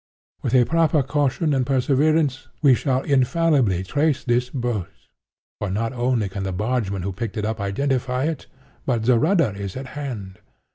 With a proper caution and perseverance we shall infallibly trace this boat; for not only can the bargeman who picked it up identify it, but the rudder is at hand.